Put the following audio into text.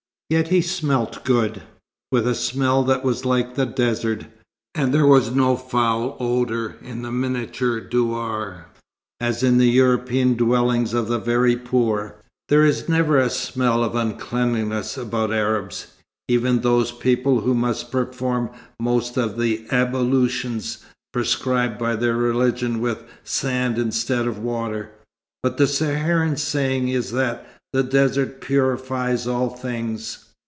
Yet he smelt good, with a smell that was like the desert, and there was no foul odour in the miniature douar, as in European dwellings of the very poor. There is never a smell of uncleanliness about Arabs, even those people who must perform most of the ablutions prescribed by their religion with sand instead of water. But the Saharian saying is that the desert purifies all things.